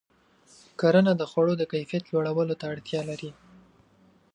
کرنه د خوړو د کیفیت لوړولو ته اړتیا لري.